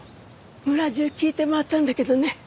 村中聞いて回ったんだけどね。